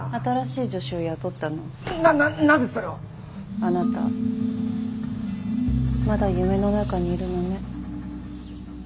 あなたまだ夢の中にいるのね。